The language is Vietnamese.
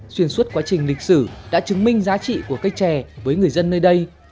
xuyên suốt quá trình lịch sử đã chứng minh giá trị của cây trẻ với người dân nơi đây